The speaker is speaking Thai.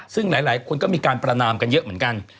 ซึ่งหลายคนก็มีการประนามกันเยอะเหมือนกัน